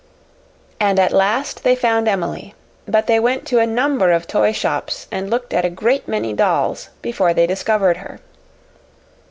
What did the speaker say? And at last they found Emily, but they went to a number of toy shops and looked at a great many dolls before they discovered her.